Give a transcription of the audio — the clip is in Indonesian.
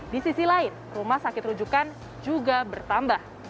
di sisi lain rumah sakit rujukan juga bertambah